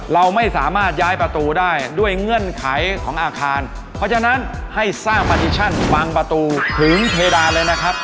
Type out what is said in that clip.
เราไม่สามารถย้ายประตูได้ด้วยเงื่อนไขของอาคารเพราะฉะนั้นให้สร้างปาดิชั่นวางประตูถึงเพดานเลยนะครับ